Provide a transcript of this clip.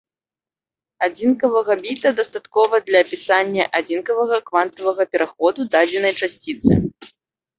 Адзінкавага біта дастаткова для апісання адзінкавага квантавага пераходу дадзенай часціцы.